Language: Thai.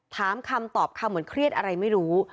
คำตอบคำเหมือนเครียดอะไรไม่รู้